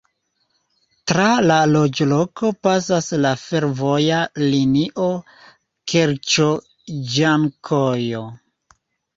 Tra la loĝloko pasas la fervoja linio Kerĉo-Ĝankojo.